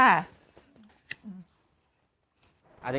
เอามีเสียงเฟียสมาค่ะ